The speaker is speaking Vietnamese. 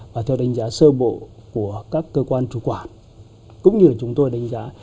và theo đánh giá sơ bộ của các cơ quan chủ quản cũng như chúng tôi đánh giá